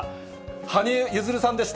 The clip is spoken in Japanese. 羽生結弦さんでした。